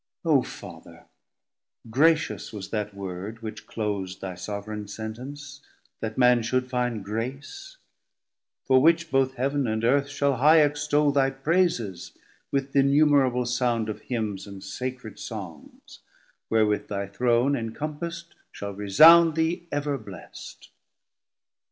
O Father, gracious was that word which clos'd Thy sovran sentence, that Man should find grace; For which both Heav'n and Earth shall high extoll Thy praises, with th' innumerable sound Of Hymns and sacred Songs, wherewith thy Throne Encompass'd shall resound thee ever blest.